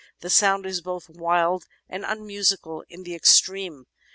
The sound is both wild and unmusical in the extreme.